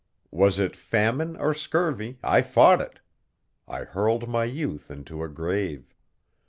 Was it famine or scurvy I fought it; I hurled my youth into a grave.